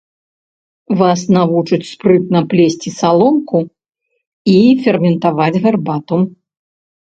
Вас навучаць спрытна плесці саломку і ферментаваць гарбату.